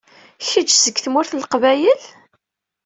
Kečč seg Tmurt n Leqbayel?